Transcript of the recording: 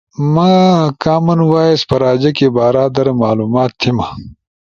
ما کامن وائس پراجیکے بارا در معلومات تھیما۔